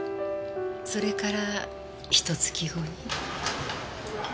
それからひと月後に。